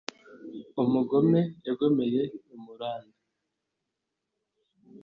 Umugome yagomeye i Muranda,